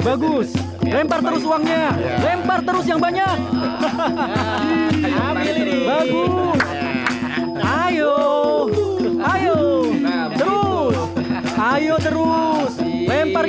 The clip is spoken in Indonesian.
bagus lempar terus uangnya lempar terus yang banyak hahaha bagus ayo ayo ayo terus lempar